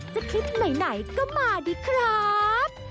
จะคิดไหนก็มาดีครับ